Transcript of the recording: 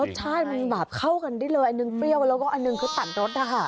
รสชาติมันแบบเข้ากันได้เลยอันหนึ่งเปรี้ยวแล้วก็อันหนึ่งคือตัดรสนะคะ